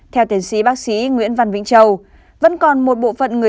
theo tiến sĩ bác sĩ nguyễn văn vĩnh châu